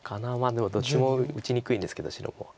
でもどっちも打ちにくいんですけど白は。